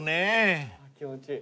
気持ちいい。